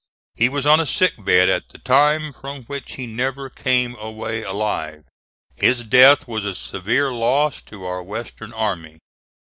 He was on a sick bed at the time, from which he never came away alive. His death was a severe loss to our western army.